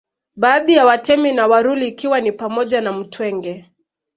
Baadhi ya Watemi wa Waruri ikiwa ni pamoja na Mtwenge